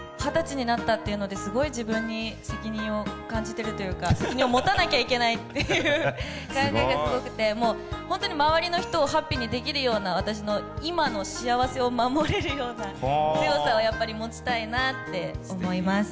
２０歳になったっていうので、すごい自分に責任を感じているというか、責任を持たなきゃいけないっていう感じがすごくて、もう本当に周りの人をハッピーにできるような、私の今の幸せを守れるような強さをやっぱり持ちたいなって思いま